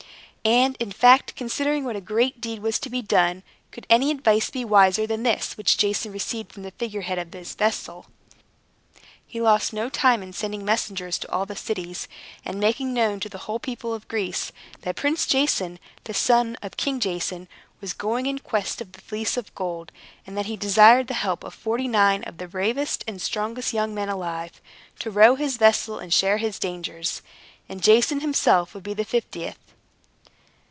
And, in fact, considering what a great deed was to be done, could any advice be wiser than this which Jason received from the figure head of his vessel? He lost no time in sending messengers to all the cities, and making known to the whole people of Greece, that Prince Jason, the son of King Jason, was going in quest of the Fleece of Gold, and that he desired the help of forty nine of the bravest and strongest young men alive, to row his vessel and share his dangers. And Jason himself would be the fiftieth.